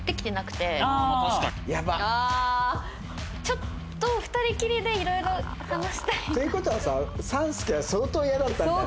ちょっと２人きりでいろいろ話したい。という事はさ３助は相当イヤだったんだね。